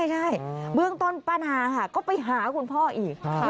ใช่เบื้องต้นป้านาค่ะก็ไปหาคุณพ่ออีก